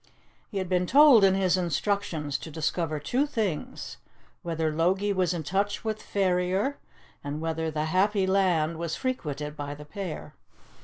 He had been told in his instructions to discover two things whether Logie was in touch with Ferrier, and whether 'The Happy Land' was frequented by the pair.